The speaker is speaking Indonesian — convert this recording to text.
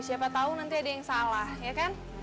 siapa tahu nanti ada yang salah ya kan